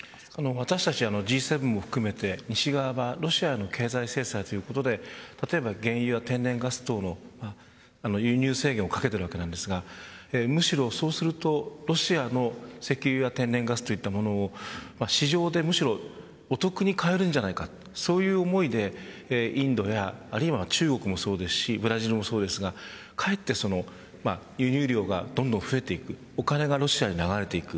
私たちＧ７を含めて西側はロシアの経済制裁ということで原油や天然ガス等の輸入制限をかけているわけですがむしろ、そうするとロシアの石油や天然ガスといったものを市場でむしろお得に買えるんじゃないかそういう思いでインドやあるいは中国もそうですしブラジルもそうですがかえって輸入量がどんどん増えていくお金がロシアに流れていく。